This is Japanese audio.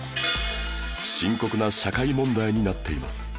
深刻な社会問題になっています